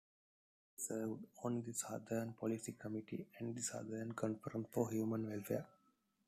He served on the Southern Policy Committee and the Southern Conference for Human Welfare.